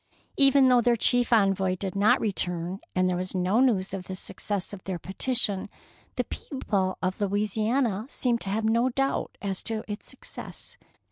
Even though their chief envoy did not return, and there was no news of the success of their petition, the people of Louisiana seemed to have no doubt as to its success.